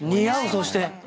そして。